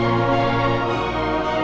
jangan kaget pak dennis